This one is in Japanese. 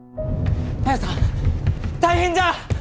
綾さん大変じゃ！